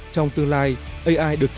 trong tương lai ai được kìm ra và được tạo ra